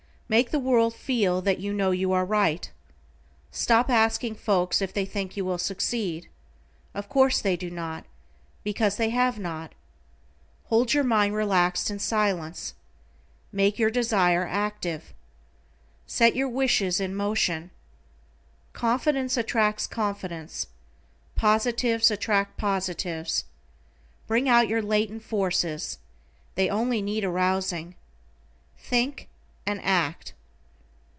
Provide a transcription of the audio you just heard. Make the world feel that you know you are right. Stop asking folks if they think you will succeed. Of course they do not, because they have not. Hold your mind relaxed in Silence. Make your desire active. Set your wishes in motion. Confidence attracts confidence. Positives attract positives. Bring out your latent forces, they only need arousing. THINK AND ACT.